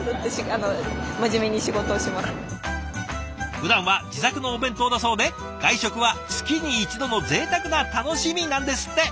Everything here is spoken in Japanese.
ふだんは自作のお弁当だそうで外食は月に一度のぜいたくな楽しみなんですって。